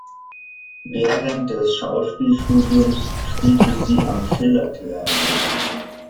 Während des Schauspielstudiums spielte sie am Schillertheater.